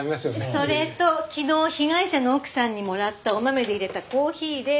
それと昨日被害者の奥さんにもらったお豆で入れたコーヒーです。